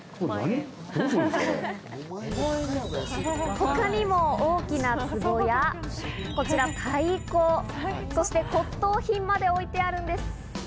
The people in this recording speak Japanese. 他にも大きな壺や、こちら太鼓、そして骨董品まで置いてあるんです。